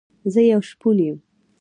زه يو شپون يم